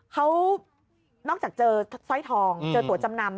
เขานอกจากเจอสร้อยทองเจอตัวจำนำ